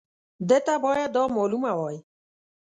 ده ته باید دا معلومه وای.